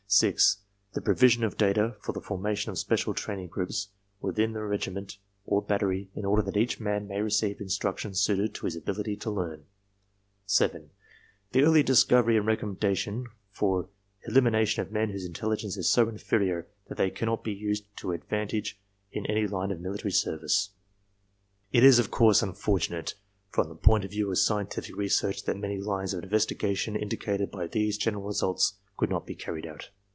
6. The provision of data for the formation of special training groups within the regiment or battery in order that each man may receive instruction sirited to his ability to learn. 7. The early discovery and recommendation for elimination of men whose intelligence is so inferior that they cannot be used to advantage in any line of military service. It is of course unfortunate from the point of view of scientific research that many lines of investigation indicated by these general results could not be carried out.